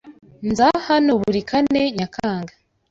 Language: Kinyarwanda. Nza hano buri Kane Nyakanga.